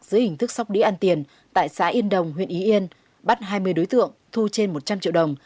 dưới hình thức sóc đĩa ăn tiền tại xã yên đồng huyện y yên bắt hai mươi đối tượng thu trên một trăm linh triệu đồng